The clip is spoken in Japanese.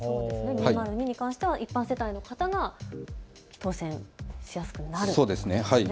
２０２に関しては一般世帯の方が当せんしやすくなるということですね。